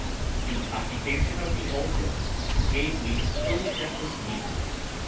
The occupation of the old woman gave me the clue that was needed.